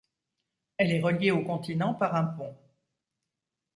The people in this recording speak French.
Elle est reliée au continent par un pont.